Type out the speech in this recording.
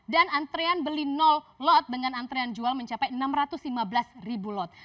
dan antrean beli lot dengan antrean jual mencapai enam ratus lima belas ribu lot